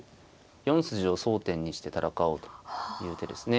４筋を争点にして戦おうという手ですね。